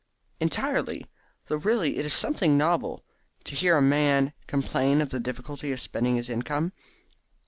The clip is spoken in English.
"Entirely; though really it is something novel to hear a man complain of the difficulty of spending his income."